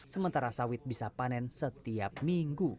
sementara sawit bisa panen setiap minggu